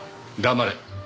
黙れ。